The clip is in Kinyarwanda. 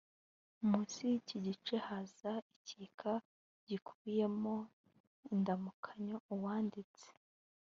munsi y iki gice haza igika gikubiyemo indamukanyo uwanditse